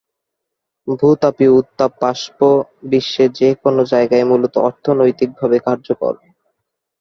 ভূ-তাপীয় উত্তাপ পাম্প বিশ্বের যে কোনও জায়গায় মূলত অর্থনৈতিকভাবে কার্যকর।